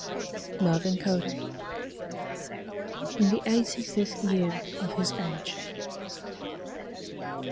MERVIN CODY IN THE EIGHTY FIFTH YEAR OF HIS AGE.